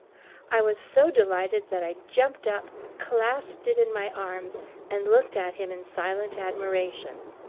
I was so delighted that I jumped up, clasped it in my arms and looked at him in silent admiration.